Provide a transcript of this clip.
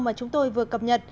mà chúng tôi vừa cập nhật